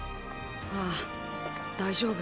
ああ大丈夫。